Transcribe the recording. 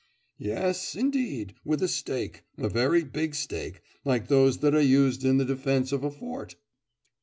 'Yes, indeed, with a stake, a very big stake, like those that are used in the defence of a fort.